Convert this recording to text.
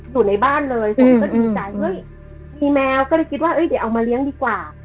อยู่ในบ้านเลยผมก็ดีใจเฮ้ยมีแมวก็เลยคิดว่าเดี๋ยวเอามาเลี้ยงดีกว่า